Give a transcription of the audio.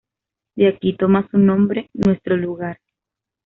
De aquí toma su nombre nuestro lugar.